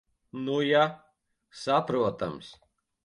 Nu ja. Saprotams.